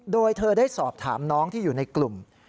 โดยเธอได้สอบถามน้องที่อยู่ในกลุ่ม